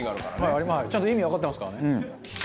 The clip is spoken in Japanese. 中丸：ちゃんと意味わかってますからね。